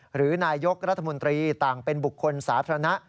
หรือนายกรัฐมนตรีต่างเป็นบุคคลสาธารณะ